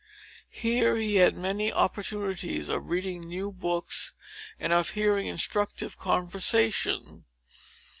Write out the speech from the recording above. Here he had many opportunities of reading new books, and of hearing instructive conversation.